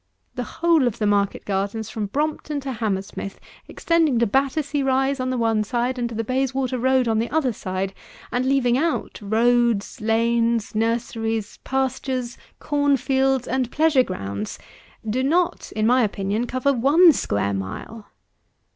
The whole of the market gardens from Brompton to Hammersmith, extending to Battersea Rise on the one side, and to the Bayswater road on the other side, and leaving out loads, lanes, nurseries; pastures, corn fields, and pleasure grounds, do not, in my opinion, cover one square mile.